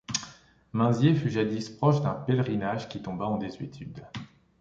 Minzier fut jadis proche d'un pèlerinage qui tomba en désuétude.